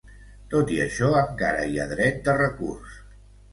Tot i això, encara hi ha dret de recurs.